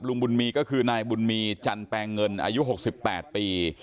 ลุงบุญมีก็คือนายบุญมีจันแปลงเงินอายุ๖๘ปี